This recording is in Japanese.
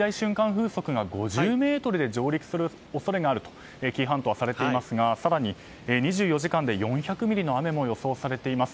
風速が５０メートルで上陸する恐れがあると紀伊半島はされていますが更に２４時間で４００ミリの雨も予想されています。